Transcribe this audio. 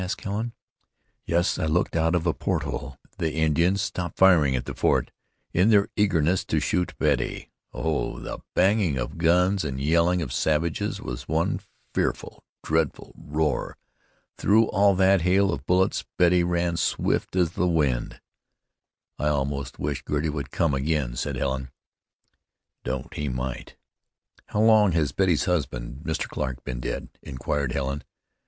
asked Helen. "Yes, I looked out of a port hole. The Indians stopped firing at the fort in their eagerness to shoot Betty. Oh, the banging of guns and yelling of savages was one fearful, dreadful roar! Through all that hail of bullets Betty ran swift as the wind." "I almost wish Girty would come again," said Helen. "Don't; he might." "How long has Betty's husband, Mr. Clarke, been dead?" inquired Helen.